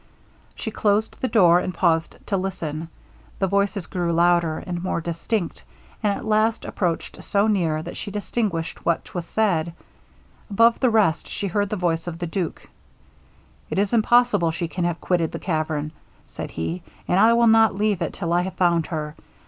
She closed the door, and paused to listen. The voices grew louder, and more distinct, and at last approached so near, that she distinguished what was said. Above the rest she heard the voice of the duke. 'It is impossible she can have quitted the cavern,' said he, 'and I will not leave it till I have found her.